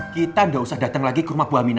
kita gak usah dateng lagi ke rumah buah mina